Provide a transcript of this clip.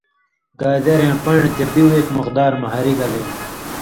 گازریاں پن٘ڑہۡ تے بیُو ایک مقدار مہ ہری گلے